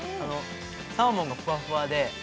サーモンがふわふわで。